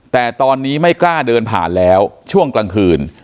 แต่ตอนนี้ไม่กล้าเดินผ่านแล้วช่วงกลางคืน